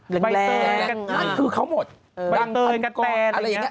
แบบแรงนั่นคือเขาหมดดังเติร์นกับแตนอะไรอย่างนี้